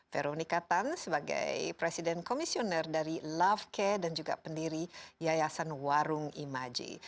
vero nikatan sebagai presiden komisioner dari love care dan juga pendiri yayasan warung imaji